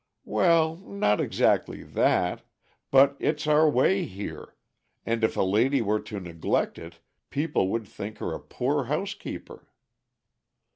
"Well, not exactly that; but it's our way here, and if a lady were to neglect it people would think her a poor housekeeper."